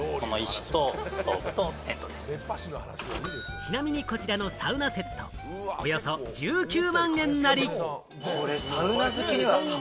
ちなみにこちらのサウナセット、およそ１９万円なり。